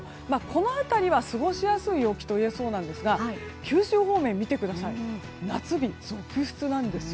この辺りは過ごしやすい陽気といえそうなんですが九州方面を見てください夏日が続出なんです。